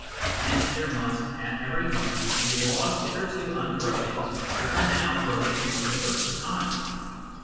Hence there must, at every moment, be laws hitherto unbroken which are now broken for the first time.